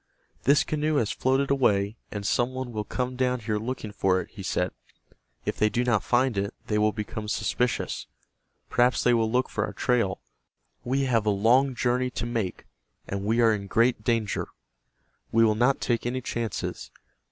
"This canoe has floated away, and some one will come down here looking for it," he said. "If they do not find it, they will become suspicious. Perhaps they will look for our trail. We have a long journey to make, and we are in great danger. We will not take any chances.